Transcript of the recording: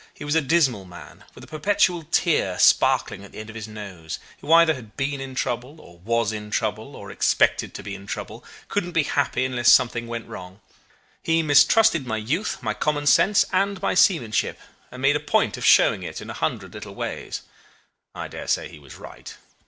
He was a dismal man, with a perpetual tear sparkling at the end of his nose, who either had been in trouble, or was in trouble, or expected to be in trouble couldn't be happy unless something went wrong. He mistrusted my youth, my common sense, and my seamanship, and made a point of showing it in a hundred little ways. I dare say he was right.